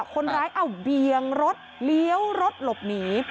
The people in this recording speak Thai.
คนร้ายเอาเบียงรถเลี้ยวรถหลบหนี